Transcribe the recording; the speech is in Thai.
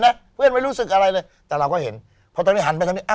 แล้วเพื่อนไม่รู้สึกอะไรเลยแต่เราก็เห็นพอตอนนี้หันไปทางนี้